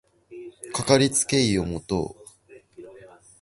かかりつけ医を持とう